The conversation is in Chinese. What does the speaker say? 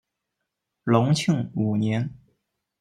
隆庆五年。